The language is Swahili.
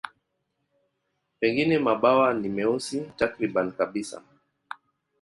Pengine mabawa ni meusi takriban kabisa.